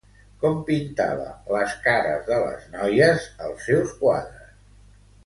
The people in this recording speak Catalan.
Com pintava les cares de les noies als seus quadres?